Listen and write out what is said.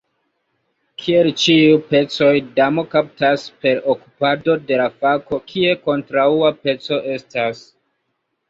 Kiel ĉiuj pecoj, damo kaptas per okupado de la fako, kie kontraŭa peco estas.